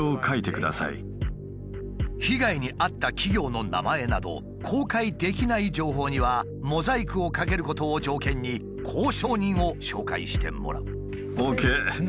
被害に遭った企業の名前など公開できない情報にはモザイクをかけることを条件に交渉人を紹介してもらう。